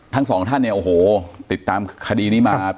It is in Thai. ทั้งสองท่านเนี่ยโอ้โหติดตามคดีนี้มา